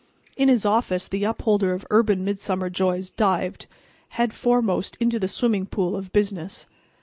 In his office the upholder of urban midsummer joys dived, headforemost, into the swimming pool of business.